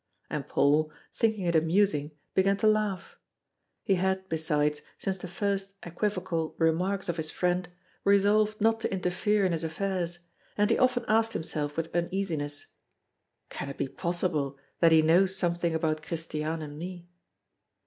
And Paul, thinking it amusing, began to laugh. He had, besides, since the first equivocal remarks of his friend, resolved not to interfere in his affairs, and he often asked himself with uneasiness: "Can it be possible that he knows something about Christiane and me?"